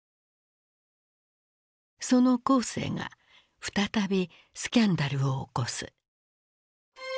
その江青が再びスキャンダルを起こす。